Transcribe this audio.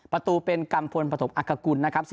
ประตูเป็นกัมพลปฐมอักกุลนะครับ